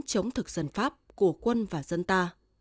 chống thực dân pháp của quân và dân ta